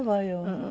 うん。